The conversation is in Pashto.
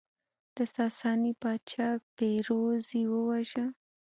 د ساساني پاچا پیروز یې وواژه